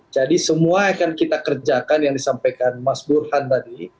jadi semua akan kita kerjakan yang disampaikan mas burhan tadi